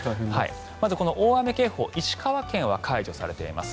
まず大雨警報石川県は解除されています。